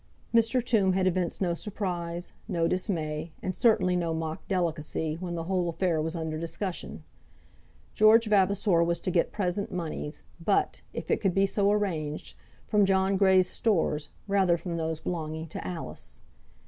Mr. Tombe had evinced no surprise, no dismay, and certainly no mock delicacy, when the whole affair was under discussion. George Vavasor was to get present moneys, but, if it could be so arranged from John Grey's stores rather than from those belonging to Alice.